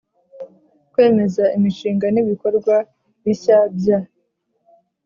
Kwemeza imishinga n ibikorwa bishya bya